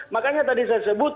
makanya tadi saya sebut